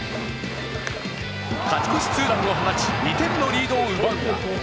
勝ち越しツーランを放ち、２点のリードを奪う。